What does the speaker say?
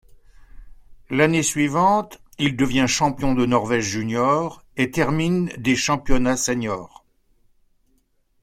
L'année suivante, il devient champion de Norvège junior et termine des championnats seniors.